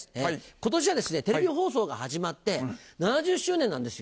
今年はですねテレビ放送が始まって７０周年なんです。